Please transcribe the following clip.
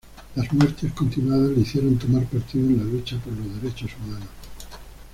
Las muertes continuadas le hicieron tomar partido en la lucha por los derechos humanos.